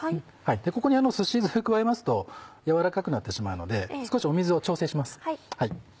ここにすし酢加えますと軟らかくなってしまうので少し水を調整します。